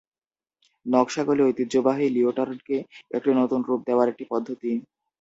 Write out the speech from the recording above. নকশাগুলি ঐতিহ্যবাহী লিওটার্ডকে একটি নতুন রূপ দেওয়ার একটি পদ্ধতি।